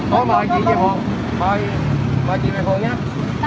tôi mời chị về hồ mời chị về hồ nhé